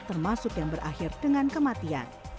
termasuk yang berakhir dengan kematian